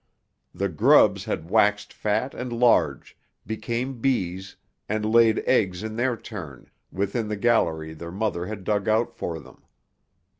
The grubs had waxed fat and large, became bees, and laid eggs in their turn, within the gallery their mother had dug out for them.